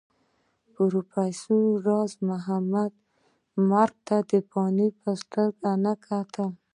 پروفېسر راز محمد مرګ ته د فناء په سترګه نه کتل